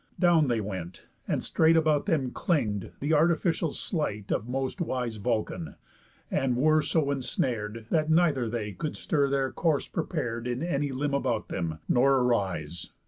Down they went; and straight About them cling'd the artificial sleight Of most wise Vulcan; and were so ensnar'd, That neither they could stir their course prepar'd In any limb about them, nor arise.